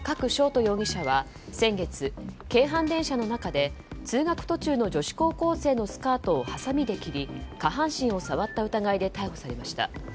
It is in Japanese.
人容疑者は先月、京阪電車の中で通学途中の女子高校生のスカートをはさみで切り下半身を触った疑いで逮捕されました。